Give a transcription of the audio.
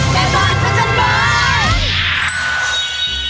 แม่บ้านประจำบาน